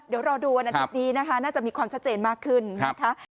เดี๋ยวรอดูวันอาทิตย์นี้นะคะน่าจะมีความชัดเจนมากขึ้นนะคะ